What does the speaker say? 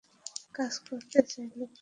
কাজ করতে চাইলে কল দাও।